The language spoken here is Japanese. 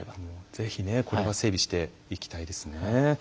ぜひ、これは整備していきたいですね。